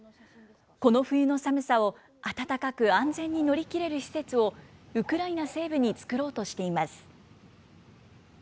この冬の寒さを、暖かく安全に乗り切れる施設を、ウクライナ西部に作ろうとしています。